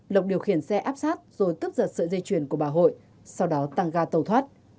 lộc điều khiển xe áp sát rồi cướp giật sợi dây chuyền của bà hội sau đó tăng ga tàu thoát